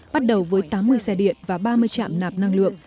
bắt đầu với tám mươi xe điện và ba mươi trạm nạp năng lượng